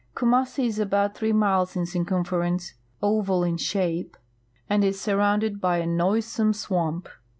Kumassi is about three miles in circumference, oval in shape, and is surrounded by a noisome swamp.